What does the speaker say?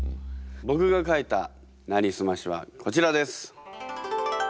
僕が書いた「なりすまし」はこちらです。